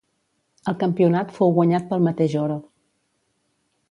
El campionat fou guanyat pel mateix Oro.